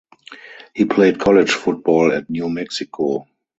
He played college football at New Mexico.